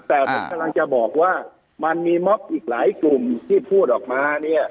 แต่ผมกำลังจะบอกว่ามันมีมอบอีกหลายกลุ่มที่พูดออกมาเนี่ย